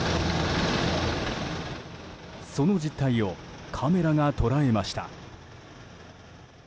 その実態をカメラが捉えました。